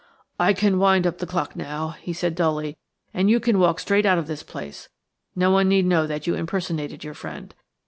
"I can wind up the clock now," he said dully, "and you can walk straight out of this place. No one need know that you impersonated your friend.